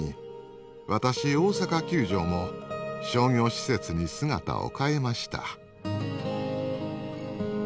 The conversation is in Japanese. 私大阪球場も商業施設に姿を変えました。